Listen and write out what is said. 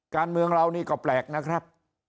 การเมืองเรานี่ก็แปลกนะครับ